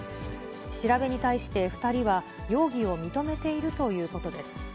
調べに対して２人は、容疑を認めているということです。